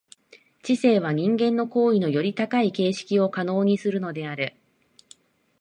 知性は人間の行為のより高い形式を可能にするのである。